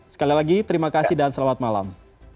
sekali lagi terima kasih dan selamat malam